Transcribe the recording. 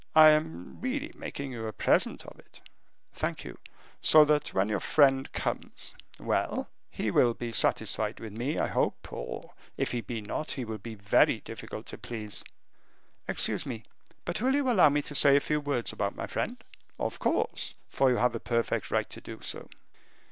"I am really making you a present of it." "Thank you." "So that when your friend comes " "Well!" "He will be satisfied with me, I hope: or, if he be not, he will be very difficult to please." "Excuse me, but will you allow me to say a few words about my friend?" "Of course, for you have a perfect right to do so."